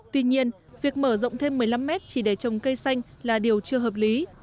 tuy nhiên việc mở rộng thêm một mươi năm mét chỉ để trồng cây xanh là điều chưa hợp lý